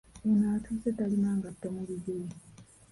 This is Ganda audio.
Ono atuuse talina ngatto mu bigere.